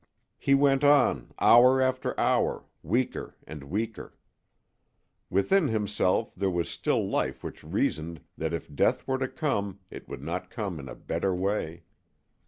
He went on, hour after hour, weaker and weaker. Within himself there was still life which reasoned that if death were to come it could not come in a better way.